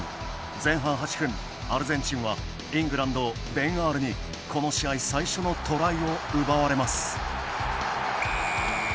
前半８分、アルゼンチンはイングランド、ベン・アールにこの試合最初のトライを奪われます。